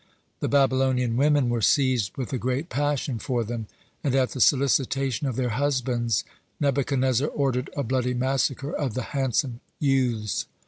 The Babylonian women were seized with a great passion for them, and at the solicitation of their husbands, Nebuchadnezzar ordered a bloody massacre of the handsome youths.